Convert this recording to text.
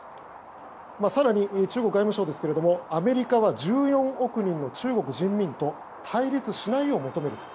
更に中国外務省ですがアメリカは１４億人の中国人民と対立しないよう求めると。